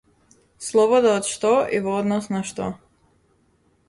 Слобода од што и во однос на што?